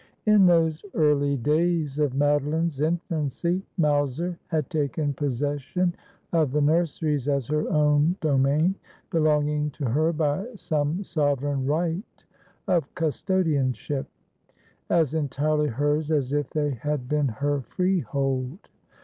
In those early days of Madoline's infancy Mowser had taken possession of the nurseries as her own domain — belonging to her by some sovereign right of custodianship, as entirely hers as if they had been her freehold.